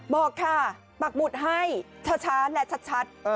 บอกค่ะปักหมุดให้ช้าและชัด